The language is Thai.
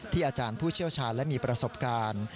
อาจารย์ผู้เชี่ยวชาญและมีประสบการณ์